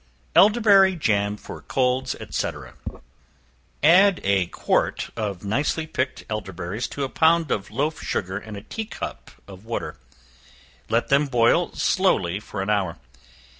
Elderberry Jam for Colds, &c. A quart of nicely picked elderberries, to a pound of loaf sugar and a tea cup of water; let them boil slowly for an hour.